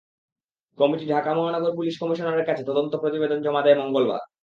Committee Dhaka মহানগর পুলিশের কমিশনারের কাছে তদন্ত প্রতিবেদন জমা দেয় মঙ্গলবার।